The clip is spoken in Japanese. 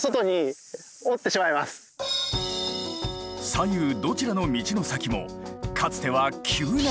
左右どちらの道の先もかつては急な崖。